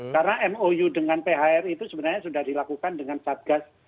karena mou dengan phr itu sebenarnya sudah dilakukan dengan satgas